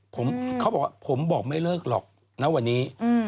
โทษเพราะแต่ผมบอกไม่เริ่มหลอกนะวันนี้